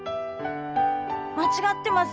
間違ってます。